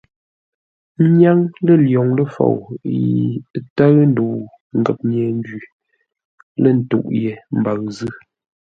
Ə́ nyâŋ lə̂ lwoŋ ləfou yi ə́ tə́ʉ ndəu ngəp nye-njwi, lə̂ ntûʼ ye mbəʉ zʉ́.